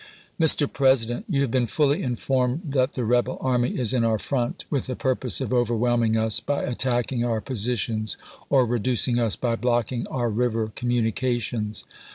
Mr. President : You have been fuUy informed that the rebel army is in our front, with the purpose of over whelming us 1 by attacking our positions, or reducing us by blocking our river communications.